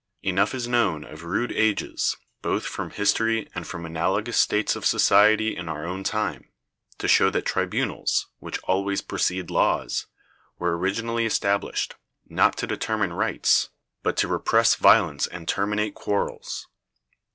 Enough is known of rude ages, both from history and from analogous states of society in our own time, to show that tribunals (which always precede laws) were originally established, not to determine rights, but to repress violence and terminate quarrels.